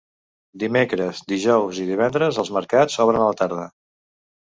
Dimecres, dijous i divendres els mercats obren a la tarda.